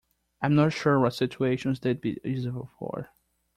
I'm not sure what situations they'd be useful for.